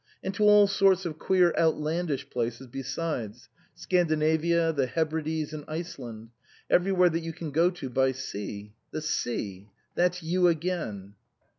And to all sorts of queer outlandish places be sides Scandinavia, the Hebrides, and Iceland ; everywhere that you can go to by sea. The sea That's you again."